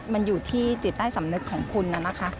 มันอยู่ที่จิตใต้สำนึกของคุณน่ะนะคะ